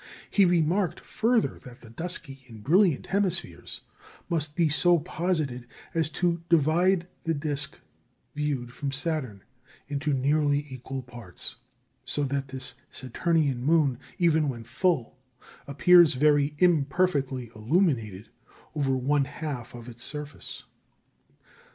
He remarked further that the dusky and brilliant hemispheres must be so posited as to divide the disc, viewed from Saturn, into nearly equal parts; so that this Saturnian moon, even when "full," appears very imperfectly illuminated over one half of its surface.